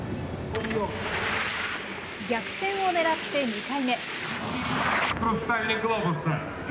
逆転を狙って２回目。